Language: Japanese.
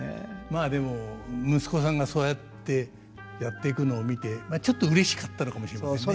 まあでも息子さんがそうやってやっていくのを見てちょっとうれしかったのかもしれませんね。